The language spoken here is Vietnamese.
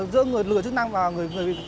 giữa người lừa chức năng và người